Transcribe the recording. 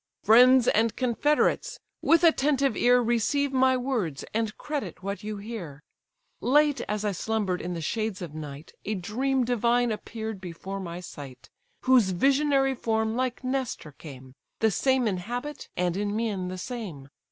"Friends and confederates! with attentive ear Receive my words, and credit what you hear. Late as I slumber'd in the shades of night, A dream divine appear'd before my sight; Whose visionary form like Nestor came, The same in habit, and in mien the same.